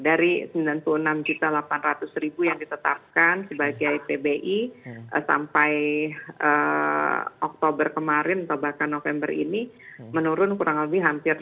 dari sembilan puluh enam delapan ratus yang ditetapkan sebagai pbi sampai oktober kemarin atau bahkan november ini menurun kurang lebih hampir